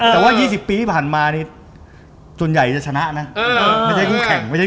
๖ตามเนี่ยอาหารให้รายร้านให้วันต้านตกขนาดนั้น